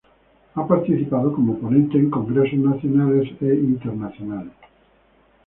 Ha participado como ponente en congresos nacionales e internacionales.